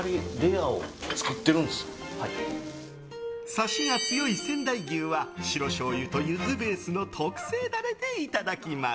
サシが強い仙台牛は白しょうゆとゆずベースの特製ダレでいただきます。